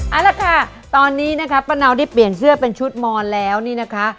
เอาละค่ะตอนนี้นะคะป้าเนาได้เปลี่ยนเสื้อเป็นชุดมอนแล้วนี่นะคะ